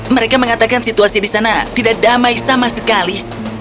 mereka mengatakan situasi di sana tidak damai sama sekali